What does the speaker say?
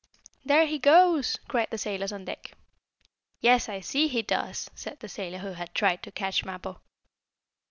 "There he goes!" cried the sailors on deck. "Yes, I see he does," said the sailor who had tried to catch Mappo.